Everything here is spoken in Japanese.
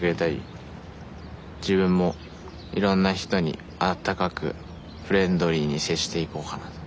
自分もいろんな人に温かくフレンドリーに接していこうかなと。